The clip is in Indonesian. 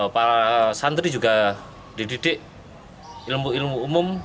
para santri juga dididik ilmu ilmu umum